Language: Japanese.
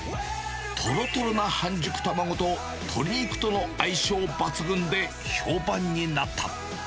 とろとろな半熟卵と、鶏肉との相性抜群で、評判になった。